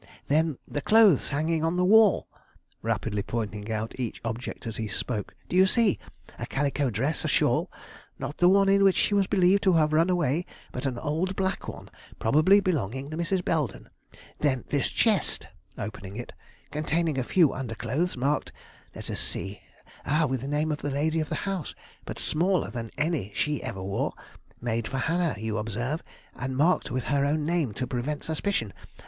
"Then the clothes hanging on the wall?" rapidly pointing out each object as he spoke. "Do you see? a calico dress, a shawl, not the one in which she was believed to have run away, but an old black one, probably belonging to Mrs. Belden. Then this chest," opening it, "containing a few underclothes marked, let us see, ah, with the name of the lady of the house, but smaller than any she ever wore; made for Hannah, you observe, and marked with her own name to prevent suspicion.